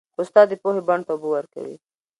استاد د پوهې بڼ ته اوبه ورکوي.